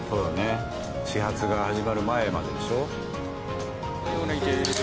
始発が始まる前まででしょ？